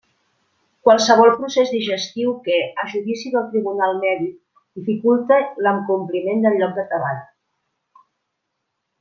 Qualsevol procés digestiu que, a judici del Tribunal Mèdic, dificulte l'acompliment del lloc de treball.